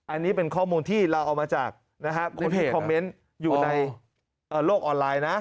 อันนี้เป็นข้อมูลที่เราเอามาจากคนที่คอมเมนต์อยู่ในโลกออนไลน์นะ